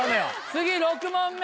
次６問目！